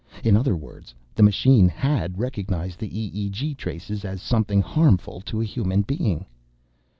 In other words, the machine had recognized the EEG traces as something harmful to a human being.